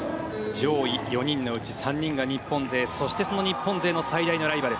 上位４人のうち３人が日本勢そして日本勢の最大のライバル